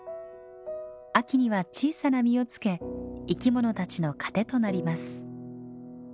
秋には小さな実をつけ生き物たちの糧となります。